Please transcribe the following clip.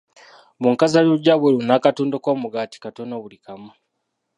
Bunkazaluggya bweru n'akatundu k'omugaati katono buli kamu.